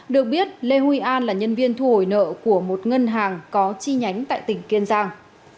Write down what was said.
được biết lê huy an là nhân viên thu hồi nợ của một ngân hàng có chi nhánh tại tỉnh kiên giang